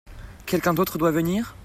Quelqu'un d'autre doit venir ?